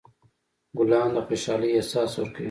ګلان د خوشحالۍ احساس ورکوي.